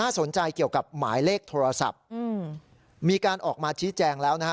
สนใจเกี่ยวกับหมายเลขโทรศัพท์อืมมีการออกมาชี้แจงแล้วนะฮะ